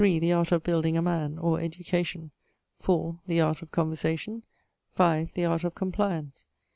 The Art of Building a Man: or Education. 4. The Art of Conversation. 5. The Art of Complyance.